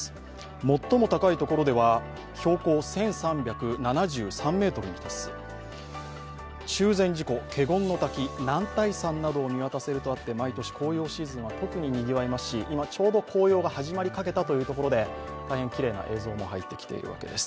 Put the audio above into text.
最も高いところでは標高１３７３ｍに達し中禅寺湖、華厳滝、男体山などを見渡せるとあって毎年、紅葉シーズンは特ににぎわいますし、今、ちょうど紅葉が始まりかけたということで大変きれいな映像も入ってきているわけです。